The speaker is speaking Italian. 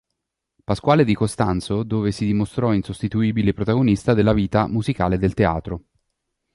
Pasquale Di Costanzo, dove si dimostrò insostituibile protagonista della vita musicale del teatro.